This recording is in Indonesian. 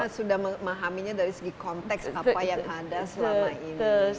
karena sudah memahaminya dari segi konteks apa yang ada selama ini